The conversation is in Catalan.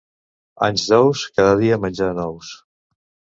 Anys d'ous, cada dia menjars nous.